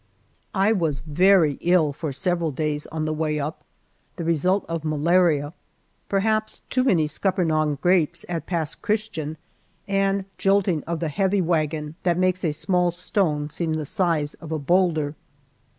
I was very ill for several days on the way up, the result of malaria perhaps too many scuppernong grapes at Pass Christian, and jolting of the heavy army wagon that makes a small stone seem the size of a boulder.